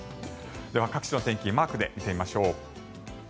各地の天気マークで見てみましょう。